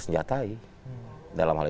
yang harus dipakai